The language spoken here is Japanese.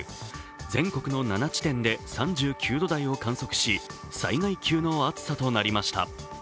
全国の７地点で３９度台を観測し災害級の暑さとなりました。